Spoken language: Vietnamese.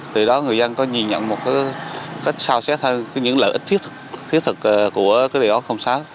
từ đó người dân có nhìn nhận một cách sao xét những lợi ích thiết thực của cái điều đó công xã